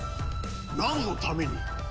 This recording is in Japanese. なんのために？